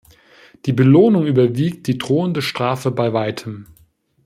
Die Belohnung überwiegt die drohende Strafe bei weitem.